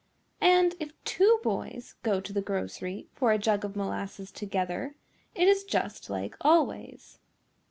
And if two boys go to the grocery for a jug of molasses together it is just like always.